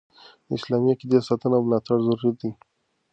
د اسلامي عقیدي ساتنه او ملاتړ ضروري دي.